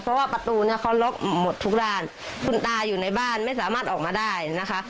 เพราะว่าประตูเนี้ยเขาล็อกหมดทุกด้านคุณตาอยู่ในบ้านไม่สามารถออกมาได้นะคะ